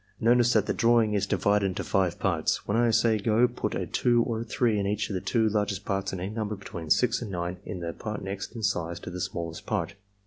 Notice that the drawing is divided into five parts. When I say 'go' put a 2 or a 3 in each of the two largest parts and any number between 6 and 9 in the part next in size to the smallest part.